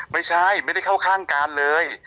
อ๋อไม่ใช่ไม่ได้เข้าข้างการเลย